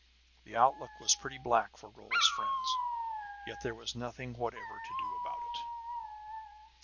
The outlook was pretty black for Rolla's friends; yet there was nothing whatever to do about it.